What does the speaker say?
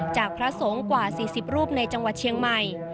พระสงฆ์กว่า๔๐รูปในจังหวัดเชียงใหม่